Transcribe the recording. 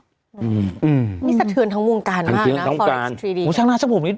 อืมอืมอืมนี่สะเทือนทั้งวงการมากนะทั้งวงการอ๋อช่างหน้าช่างผมนี้